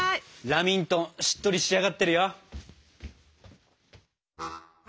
ラミントンしっとり仕上がってるよ！